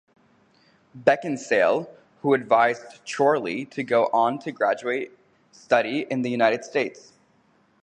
Beckinsale, who advised Chorley to go on to graduate study in the United States.